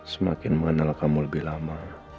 semakin mengenal kamu lebih lama